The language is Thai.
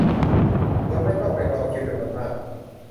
โดยไม่ต้องไปรอคิวจำนวนมาก